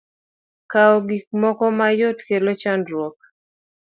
Kawo gik moko mayot, kelo chandruok.